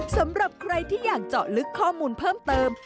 สำหรับใครที่อยากเจาะลึกข้อมูลเพิ่มเติม